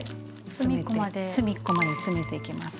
隅っこまで詰めていきます。